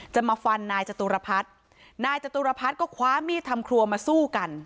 จะมาฟันนายจตุรพัฒน์นายจตุรพัฒน์ก็คว้ามีดทำครัวมาสู้กัน